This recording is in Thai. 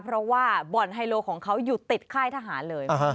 เพราะว่าบ่อนไฮโลของเขาอยู่ติดค่ายทหารเลย